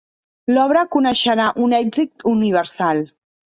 L'obra coneixerà un èxit universal.